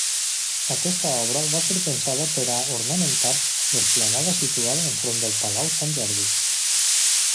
Aquesta obra va ser pensada per a ornamentar l'esplanada situada enfront del Palau Sant Jordi.